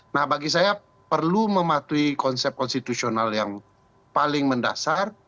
nah bagi saya perlu mematuhi konsep konstitusional yang paling mendasar